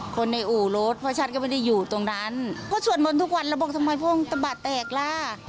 คนในอู่รถเพราะฉันก็ไม่ได้อยู่ตรงนั้นก็สวดมนต์ทุกวันแล้วบอกทำไมพระองค์ตะบาดแตกล่ะ